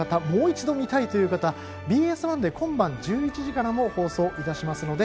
もう一度見たいという方はＢＳ１で今晩１１時からも放送します。